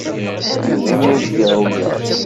Yiwen ur k-iεuyer.